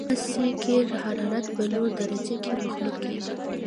اس سي قیر د حرارت په لوړه درجه کې مخلوط کیږي